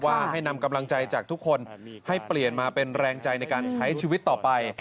ให้นำกำลังใจจากทุกคนให้เปลี่ยนมาเป็นแรงใจในการใช้ชีวิตต่อไป